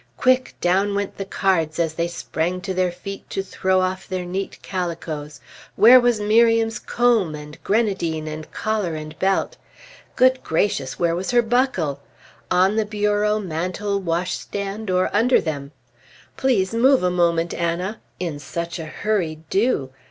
Quick, down went the cards as they sprang to their feet to throw off their neat calicoes. Where was Miriam's comb, and grenadine, and collar, and belt? Good gracious! where was her buckle? On the bureau, mantel, washstand, or under them? "Please move a moment, Anna!" In such a hurry, do!